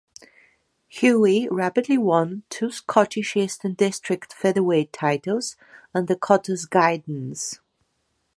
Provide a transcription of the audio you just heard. Hughie rapidly won two Scottish Eastern District Featherweight Titles under Cotter's guidance.